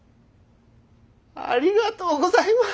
ありがとうございます！